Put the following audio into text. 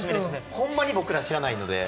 ほんまに僕ら知らないので。